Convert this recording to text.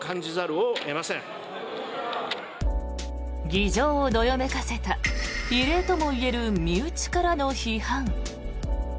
議場をどよめかせた異例ともいえる身内からの批判。